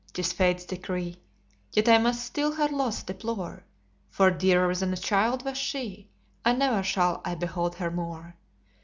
'tis Fate's decree Yet I must still her loss deplore; For dearer than a child was she, And ne'er shall I behold her more!